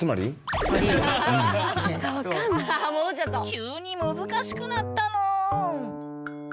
急に難しくなったぬん。